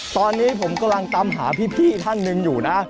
ตอนนี้ผมกำลังตามหาพี่ท่านหนึ่งอยู่นะ